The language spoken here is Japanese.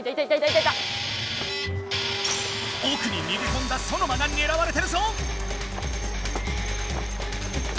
おくに逃げこんだソノマがねらわれてるぞ！